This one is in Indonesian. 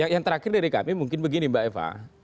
yang terakhir dari kami mungkin begini mbak eva